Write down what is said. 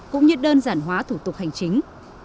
cũng như đơn giản hóa thủ tục hành chính